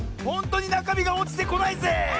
ほんとになかみがおちてこないぜえ。